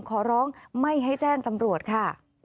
ขอร้องไม่ให้แจ้งตำรวจค่ะ